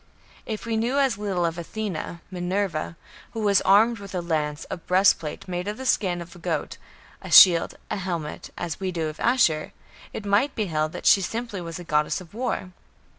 If we knew as little of Athena (Minerva), who was armed with a lance, a breastplate made of the skin of a goat, a shield, and helmet, as we do of Ashur, it might be held that she was simply a goddess of war.